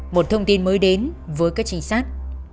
một thông tin mới đến với các trinh sát